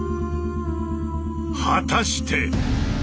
果たして。